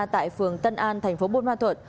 tại phường tân an thành phố bùn văn thuận